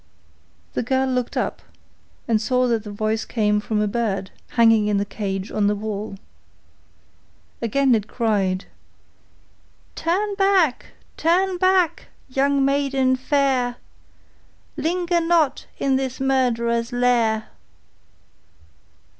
The girl looked up and saw that the voice came from a bird hanging in a cage on the wall. Again it cried: 'Turn back, turn back, young maiden fair, Linger not in this murderers' lair.